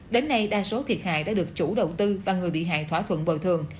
đến nay đa số thiệt hại đã được chủ đầu tư và người bị hại thỏa thuận bồi thường